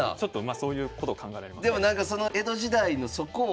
そういうことを考えられますね。